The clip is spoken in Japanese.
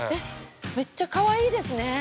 ◆めっちゃかわいいですね。